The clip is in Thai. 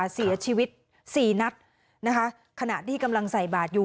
เสียชีวิต๔นัดขณะที่กำลังใส่บาตรอยู่